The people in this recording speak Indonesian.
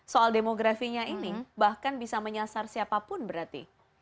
soal demografinya ini bahkan bisa menyasar siapapun berarti